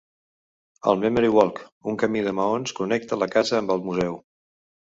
El Memory Walk, un camí de maons, connecta la casa amb el museu.